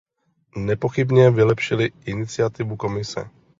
Nepochybně vylepšili iniciativu Komise.